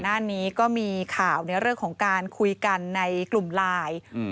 หน้านี้ก็มีข่าวในเรื่องของการคุยกันในกลุ่มไลน์